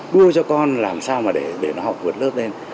đua cho con làm sao mà để nó học vượt lớp lên